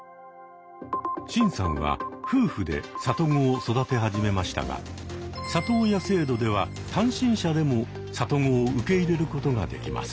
シンさんは夫婦で里子を育て始めましたが里親制度では単身者でも里子を受け入れることができます。